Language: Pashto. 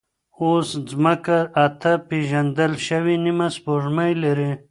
اوس ځمکه اته پېژندل شوې نیمه سپوږمۍ لري.